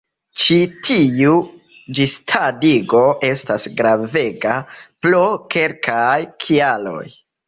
Ĉi tiu ĝisdatigo estas gravega pro kelkaj kialoj.